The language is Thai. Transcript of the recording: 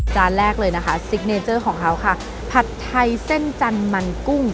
จานแรกเลยนะคะของเขาค่ะผัดไทยเส้นจันมันกุ้ง